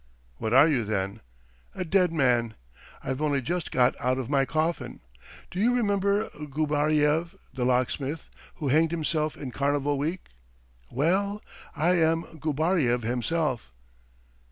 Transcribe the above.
"What are you then?" "A dead man. ... I've only just got out of my coffin. ... Do you remember Gubaryev, the locksmith, who hanged himself in carnival week? Well, I am Gubaryev himself!